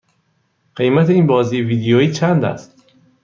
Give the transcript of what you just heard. قیمت این بازی ویدیویی چند است؟